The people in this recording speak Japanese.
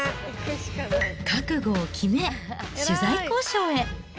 覚悟を決め、取材交渉へ。